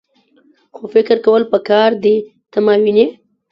خو فکر کول پکار دي . ته ماوینې؟